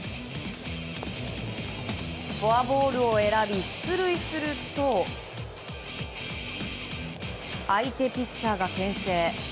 フォアボールを選び、出塁すると相手ピッチャーが牽制。